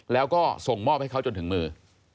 แล้วก็ส่งมอบให้เขาจนถึงมือ